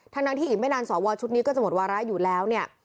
ทั้งนั้นที่อีกไม่นานสวชุดนี้ก็จะหมดวาระอยู่แล้วเนี่ย